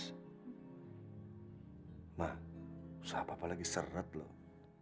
emah usaha papa lagi seret loh